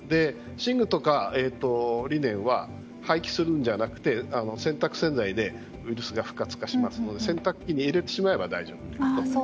寝具やリネンは廃棄するんじゃなくて洗濯洗剤でウイルスが不活化しますので洗濯機に入れてしまえば大丈夫です。